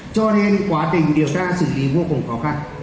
cho nên quá trình điều tra xử lý vô cùng khó khăn